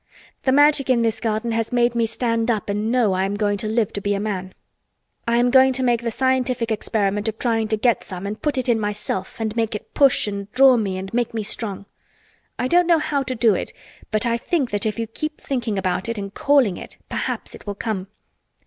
The Magic in this garden has made me stand up and know I am going to live to be a man. I am going to make the scientific experiment of trying to get some and put it in myself and make it push and draw me and make me strong. I don't know how to do it but I think that if you keep thinking about it and calling it perhaps it will come.